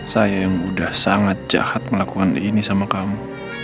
saya yang tersenyum di atas penderitaan kamu